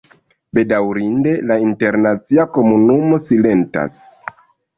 Bedaŭrinde, la internacia komunumo silentas.